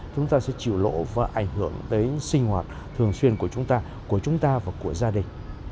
chúng ta sẽ chịu lỗ và ảnh hưởng đến sinh hoạt thường xuyên của chúng ta của chúng ta và của gia đình